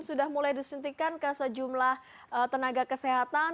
sudah mulai disuntikan ke sejumlah tenaga kesehatan